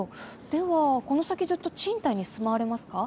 ではこの先ずっと賃貸に住まわれますか？